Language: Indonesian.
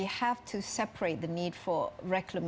saya pikir semua orang akan mempromosikan